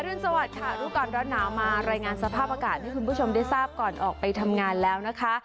รุนสวัสดิ์รู้ก่อนร้อนหนาวมารายงานสภาพอากาศให้คุณผู้ชมได้ทราบก่อนออกไปทำงานแล้วนะคะ